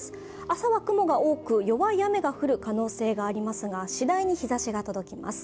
朝は雲が多く、弱い雨が降る可能性がありますが、しだいに日ざしが届きます。